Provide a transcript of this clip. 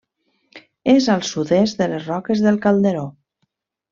És al sud-est de les Roques del Calderó.